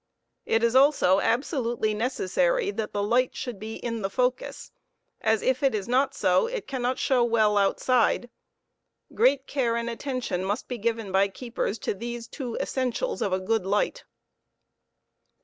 It is also absolutely necessary that the light should be in the focus, as if it is not so it cannot show well outside. Great care and attention must be given by keepers to these two essentials of a good light.